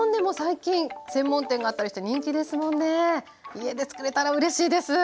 家でつくれたらうれしいです。